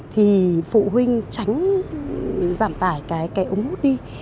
thì phụ huynh tránh giảm tải cái ống hút đi